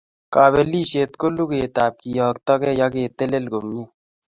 Kapelisiet ko logoiyatap keyoktogei ak ketelel komie